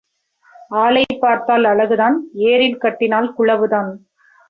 ஆளைப் பார்த்தால் அழகுதான் ஏரில் கட்டினால் குழவுதான்.